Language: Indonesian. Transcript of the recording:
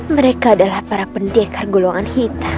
mereka adalah para pendekar golongan hitam